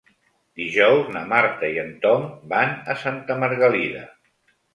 Dijous na Marta i en Tom van a Santa Margalida.